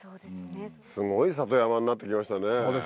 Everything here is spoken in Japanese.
すごい里山になって来ましたね。